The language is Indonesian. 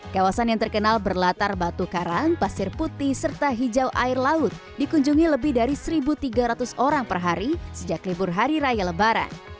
kawasan yang terkenal berlatar batu karang pasir putih serta hijau air laut dikunjungi lebih dari satu tiga ratus orang per hari sejak libur hari raya lebaran